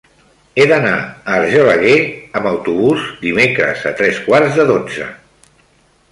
He d'anar a Argelaguer amb autobús dimecres a tres quarts de dotze.